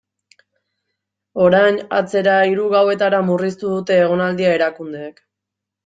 Orain, atzera hiru gauetara murriztu dute egonaldia erakundeek.